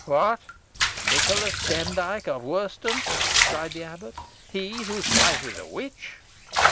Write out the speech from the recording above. "What, Nicholas Demdike of Worston?" cried the abbot; "he whose wife is a witch?"